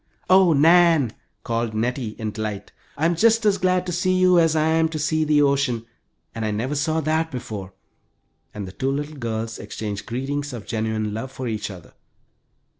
"Oh, Nan!" called Nettie, in delight, "I'm just as glad to see you as I am to see the ocean, and I never saw that before," and the two little girls exchanged greetings of genuine love for each other.